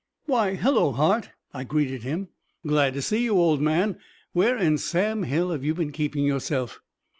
"Why, hello, Hart," I greeted him. "Glad to see you, old man. Where in Sam Hill have you been keeping yourself?"